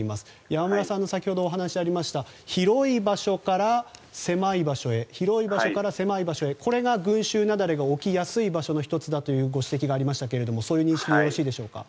山村さんからお話がありました広い場所から狭い場所へこれが群衆雪崩が起きやすい場所の１つだというご指摘がありましたがその認識でよろしいでしょうか。